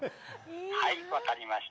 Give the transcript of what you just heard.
はい、分かりました。